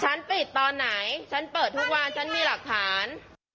ปิดตอนไหนฉันเปิดทุกวันฉันมีหลักฐาน